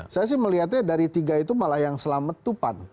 saya sih melihatnya dari tiga itu malah yang selamat itu pan